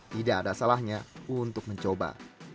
tidak ada salahnya untuk mencoba